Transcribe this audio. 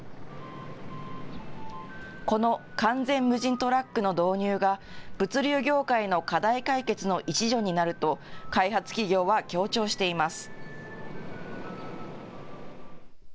この完全無人トラックの導入が物流業界の課題解決の一助になると開発企業は強調しています。